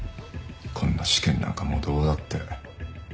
こんな試験なんかもうどうだって。